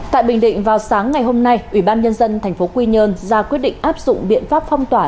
tại bình định vào sáng ngày hôm nay ubnd tp quy nhơn ra quyết định áp dụng biện pháp phong tỏa